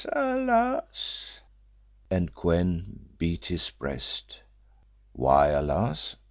alas!" and Kou en beat his breast. "Why alas?"